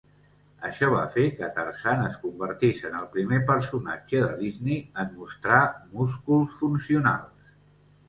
Això va fer que Tarzan es convertís en el primer personatge de Disney en mostrar músculs funcionals.